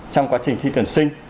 trong quá trình thi tuyển sinh